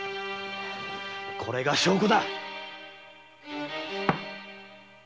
これが証拠だ！